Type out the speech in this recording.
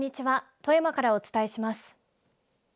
富山からお伝えします。